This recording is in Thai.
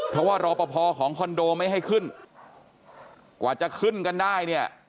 เพราะว่ารอปภของคอนโดไม่ให้ขึ้นกว่าจะขึ้นกันได้เนี่ย